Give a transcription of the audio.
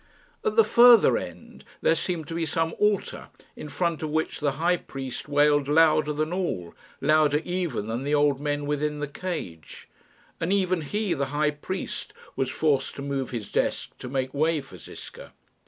At the further end there seemed to be some altar, in front of which the High Priest wailed louder than all, louder even than the old men within the cage; and even he, the High Priest, was forced to move his desk to make way for Ziska.